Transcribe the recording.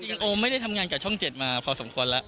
โอมไม่ได้ทำงานกับช่อง๗มาพอสมควรแล้ว